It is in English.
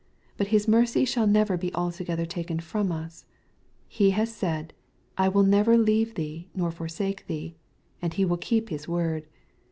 But His mercy shall never be altogether taken from us. He has said, " I will never leave thee, nor forsake thee," and He will keep His word.